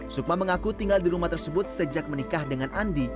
sukma mengaku tinggal di rumah tersebut sejak menikah dengan andi